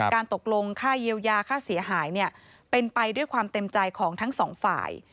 ตกลงค่าเยียวยาค่าเสียหายเป็นไปด้วยความเต็มใจของทั้งสองฝ่าย